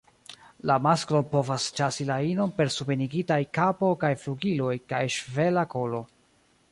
La masklo povas ĉasi la inon per subenigitaj kapo kaj flugiloj kaj ŝvela kolo.